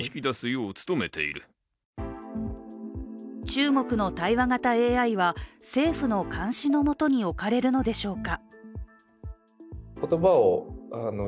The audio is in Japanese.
中国の対話型ＡＩは政府の監視の下に置かれるのでしょうか。